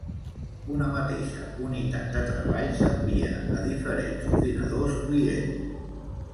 Una mateixa unitat de treball s’envia a diferents ordinadors clients.